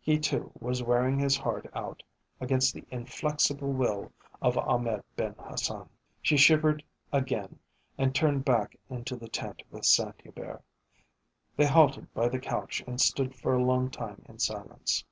He, too, was wearing his heart out against the inflexible will of Ahmed Ben Hassan. She shivered again and turned back into the tent with Saint Hubert. They halted by the couch and stood for a long time in silence.